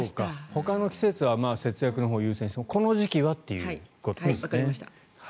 ほかの季節は節約のほうを優先してもこの時期はということですね。